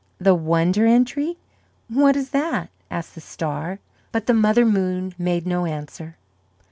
"The Wonder Entry? What is that?" asked the star. But the Mother Moon made no answer.